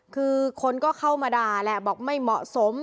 คือคนก็เข้ามาด่าแหละบอกไม่เหมาะสม